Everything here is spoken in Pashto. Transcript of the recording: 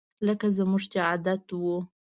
لکه زموږ چې عادت وو